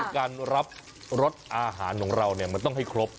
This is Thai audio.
การรับอะไรได้ตัวให้ครบ